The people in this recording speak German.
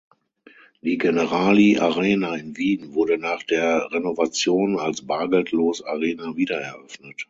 Die Generali Arena in Wien wurde nach der Renovation als bargeldlos-Arena wiedereröffnet.